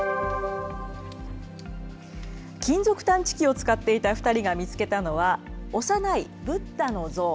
金属探知機を使っていた２人が見つけたのは、幼い仏陀の像。